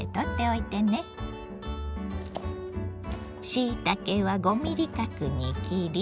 しいたけは５ミリ角に切り。